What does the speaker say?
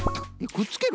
くっつける？